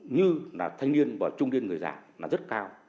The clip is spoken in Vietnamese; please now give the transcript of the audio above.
như là thanh niên và trung điên người dạng là rất cao